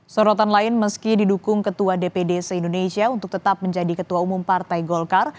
sorotan lain meski didukung ketua dpd se indonesia untuk tetap menjadi ketua umum partai golkar